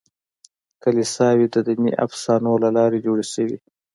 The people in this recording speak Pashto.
کلیساوې د دیني افسانو له لارې جوړې شوې.